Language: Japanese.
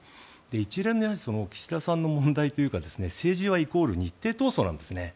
一連の岸田さんの問題というか政治はイコール日程闘争なんですね。